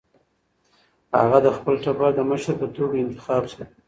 هغه د خپل ټبر د مشر په توګه انتخاب شو.